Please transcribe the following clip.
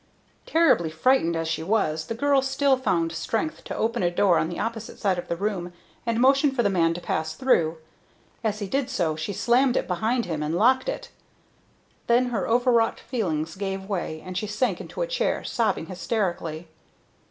Terribly frightened as she was, the girl still found strength to open a door on the opposite side of the room and motion for the man to pass through. As he did so she slammed it behind him and locked it. Then her overwrought feelings gave way, and she sank into a chair, sobbing hysterically.